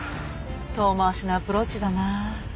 遠回しなアプローチだな。